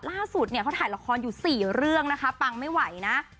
ล่าสุดเนี่ยเขาถ่ายละครอยู่๔เรื่องนะคะปังไม่ไหวนะ